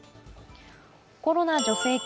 コロナ助成金